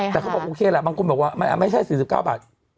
แต่เขาบอกโอเคล่ะบางคนบอกว่ามันไม่ใช่๔๙บาท